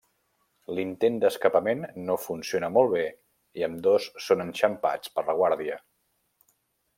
L'intent d'escapament no funciona molt bé i ambdós són enxampats per la guàrdia.